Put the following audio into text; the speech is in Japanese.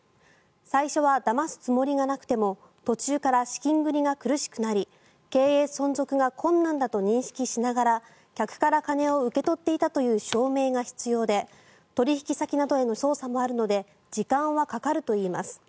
最初はだますつもりがなくても途中から資金繰りが苦しくなり経営存続が困難だと認識しながら客から金を受け取っていたという証明が必要で取引先などへの捜査もあるので時間はかかるといいます。